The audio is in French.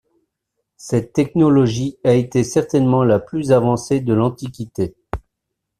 Cette technologie a été certainement la plus avancée de l'Antiquité.